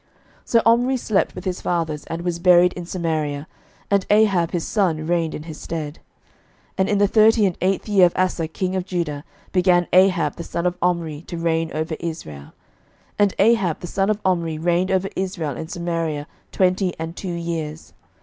11:016:028 So Omri slept with his fathers, and was buried in Samaria: and Ahab his son reigned in his stead. 11:016:029 And in the thirty and eighth year of Asa king of Judah began Ahab the son of Omri to reign over Israel: and Ahab the son of Omri reigned over Israel in Samaria twenty and two years.